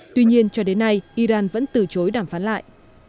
tuy nhiên cho đến nay iran vẫn từ chối đàm phán lại